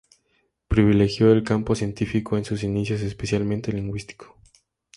Privilegió el campo científico en sus inicios, especialmente el lingüístico.